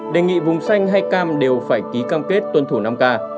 đề nghị vùng xanh hay cam đều phải ký cam kết tuân thủ năm k